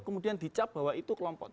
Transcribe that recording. kemudian dicap bahwa itu kelompok